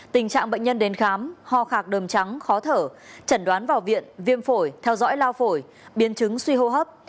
tình trạng bệnh nhân đến khám ho khạc đờm trắng khó thở chẩn đoán vào viện viêm phổi theo dõi lao phổi biến chứng suy hô hấp